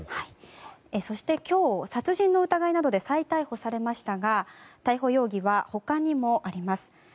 そして、今日、殺人の疑いなどで再逮捕されましたが逮捕容疑は他にもあります。